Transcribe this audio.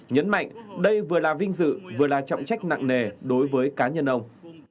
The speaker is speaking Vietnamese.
nhấn mạnh đây vừa là vinh dự vừa là trọng trách nặng nề đối với cá nhân ông